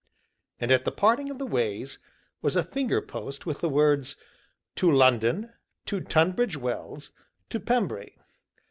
And at the parting of the ways was a finger post with the words: "To LONDON. To TONBRIDGE WELLS. To PEMBRY."